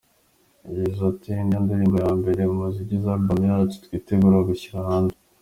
Yagize ati “Ni yo ndirimbo ya mbere mu zigize album yacu twitegura gushyira hanze.